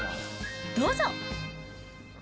どうぞ。